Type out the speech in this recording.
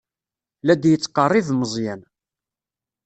La d-yettqerrib Meẓyan.